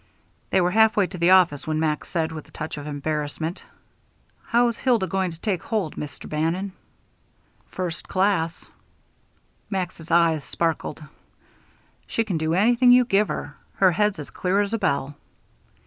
They were halfway to the office when Max said, with a touch of embarrassment: "How's Hilda going to take hold, Mr. Bannon?" "First class." Max's eyes sparkled. "She can do anything you give her. Her head's as clear as a bell."